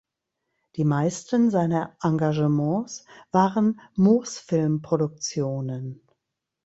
Die meisten seiner Engagements waren Mosfilmproduktionen.